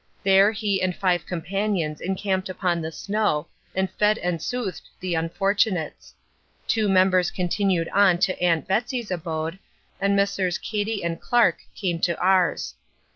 There he and five companions encamped upon the snow and fed and soothed the unfortunates. Two members continued on to Aunt Betsy's abode, and Messrs. Cady and Clark came to ours.